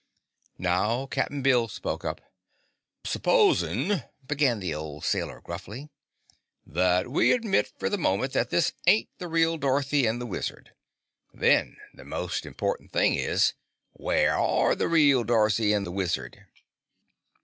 Now Cap'n Bill spoke up. "S'posin'," began the old sailor gruffly, "that we admit fer the moment that this ain't the real Dorothy and the Wizard. Then the most important thing is where are the real Dorothy and the Wizard?"